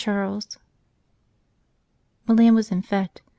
CHARLES" MILAN was en fete.